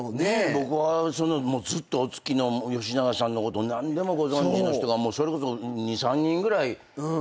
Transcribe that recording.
僕はずっとお付きの吉永さんのことを何でもご存じの人がそれこそ２３人ぐらいおられるのかと思ってましたけど。